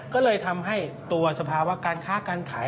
ก็เลยทำให้ตัวสภาวะการค้าการขาย